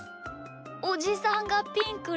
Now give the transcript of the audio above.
おじさんがピンクだと。